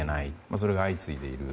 それが相次いでいる。